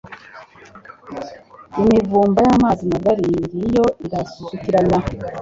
Imivumba y’amazi magari ngiyo irasukiranya